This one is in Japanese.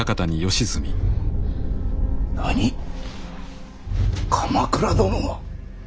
何鎌倉殿が。